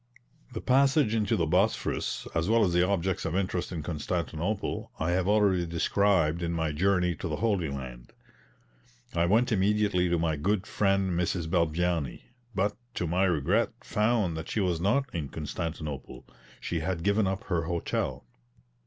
The passage into the Bosphorus, as well as the objects of interest in Constantinople, I have already described in my journey to the Holy Land. I went immediately to my good friend Mrs. Balbiani; but, to my regret, found that she was not in Constantinople; she had given up her hotel.